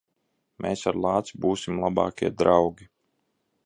Mēs ar lāci būsim labākie draugi.